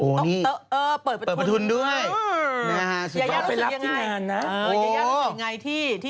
โอ้นี่